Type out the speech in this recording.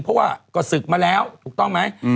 เพราะว่าก็ศึกมาแล้วถูกต้องไหม